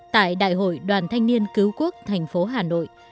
tại đại hội đoàn thanh niên cứu quốc thành phố hà nội